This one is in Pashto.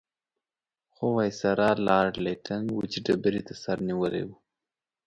خو وایسرا لارډ لیټن وچې ډبرې ته سر نیولی وو.